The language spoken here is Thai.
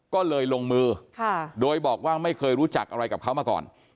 ก็เลยลงมือโดยบอกว่าไม่เคยรู้จักอะไรกับเขามาก่อน